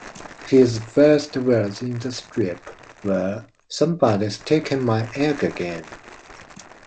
His first words in the strip were 'Somebody's taken my egg again!